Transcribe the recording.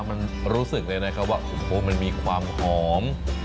มันรู้สึกเลยนะครับว่าโอ้โหมันมีความหอม